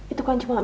itu kan cuma mimpi